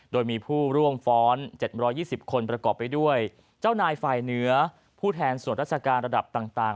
โดยมีผู้ร่วมฟ้อน๗๒๐คนประกอบไปด้วยเจ้านายฝ่ายเหนือผู้แทนส่วนราชการระดับต่าง